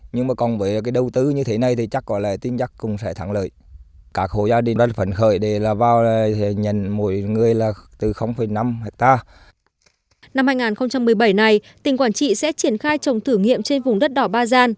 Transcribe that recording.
năm hai nghìn một mươi bảy này tỉnh quảng trị sẽ triển khai trồng thử nghiệm trên vùng đất đỏ ba gian